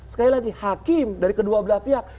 sekali lagi hakim dari kedua belah pihak